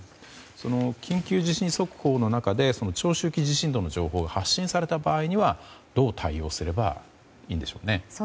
その緊急地震速報の中で長周期地震動の情報が発信された場合にはどう対応すればいいんでしょうね。